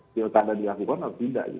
tidak ada diakukan atau tidak